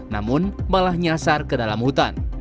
namun malah nyasar ke dalam hutan